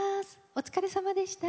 「お疲れさまでした」